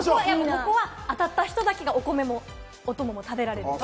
ここは当たった人だけがお米もお供も食べられます。